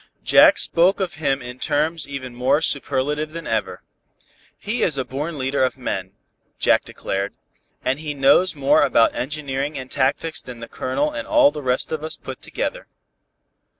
Jack spoke of him in terms even more superlative than ever. "He is a born leader of men," he declared, "and he knows more about engineering and tactics than the Colonel and all the rest of us put together."